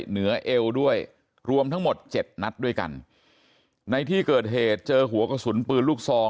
เหนือเอวด้วยรวมทั้งหมดเจ็ดนัดด้วยกันในที่เกิดเหตุเจอหัวกระสุนปืนลูกซอง